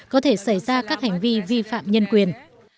có thể xảy ra các hành vi vi phạm nhân quyền